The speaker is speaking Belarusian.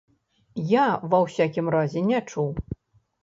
Я, ва ўсякім разе, не чуў.